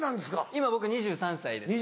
今僕２３歳ですね。